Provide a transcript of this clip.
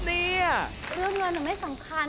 เลือกเงินมันไม่สำคัญ